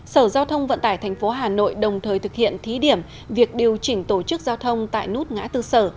sở giao thông vận tải tp hà nội đồng thời thực hiện thí điểm việc điều chỉnh tổ chức giao thông tại nút ngã tư sở